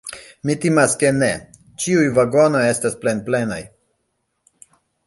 Mi timas ke ne; ĉiuj vagonoj estas plenplenaj.